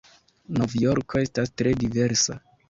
Novjorko estas tre diversa.